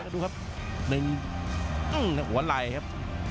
ดูครับในขวารายครับ